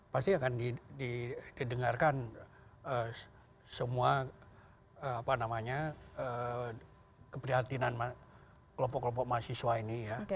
pasti akan di didengarkan semua apa namanya keprihatinan kelompok kelompok mahasiswa ini ya